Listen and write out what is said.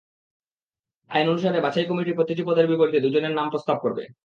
আইন অনুসারে বাছাই কমিটি প্রতিটি পদের বিপরীতে দুজনের নাম প্রস্তাব করবে।